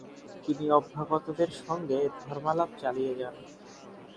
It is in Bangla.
তিনি অভ্যাগতদের সঙ্গে ধর্মালাপ চালিয়ে যান।